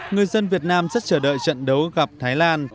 người dân việt nam rất chờ đợi trận đấu gặp thái lan